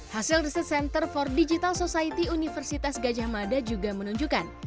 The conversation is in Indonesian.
hasil riset center for digital society universitas gajah mada juga menunjukkan